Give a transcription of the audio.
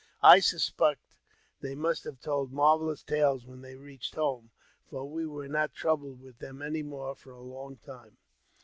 I sus pect they must have told marvellous tales when they reached home, for we were not troubled with them any more for a long time.